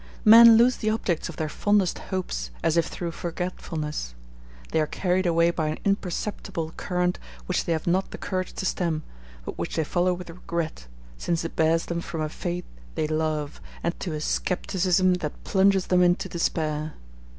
Men lose the objects of their fondest hopes, as if through forgetfulness. They are carried away by an imperceptible current which they have not the courage to stem, but which they follow with regret, since it bears them from a faith they love, to a scepticism that plunges them into despair.